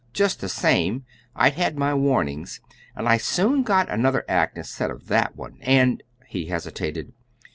Just the same, I'd had my warning, and I soon got another act instead of that one; and " He hesitated.